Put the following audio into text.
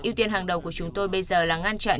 ưu tiên hàng đầu của chúng tôi bây giờ là ngăn chặn